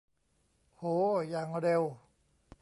โห อย่างเร็ว